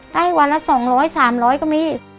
ได้วันละ๒๐๐๓๐๐ก็มี